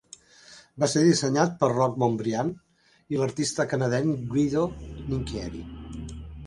Va ser dissenyat per Roch Montbriant i l'artista canadenc Guido Nincheri.